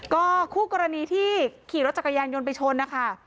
ก็คู่กรณีที่ขี่รถจักรยานยนต์ไปชนนะคะ